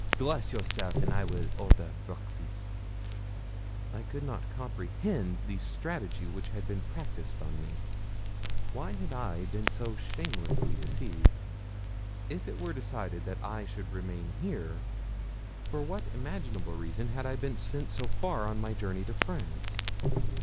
Dress yourself, and I will order breakfast.' I could not comprehend the strategy which had been practised on me. Why had I been so shamelessly deceived? If it were decided that I should remain here, for what imaginable reason had I been sent so far on my journey to France?